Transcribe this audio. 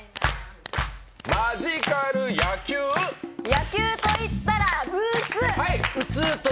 野球と言ったら、打つ。